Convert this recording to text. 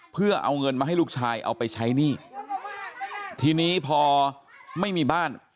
เพื่อเอาเงินมาให้ลูกชายเอาไปใช้หนี้ทีนี้พอไม่มีบ้าน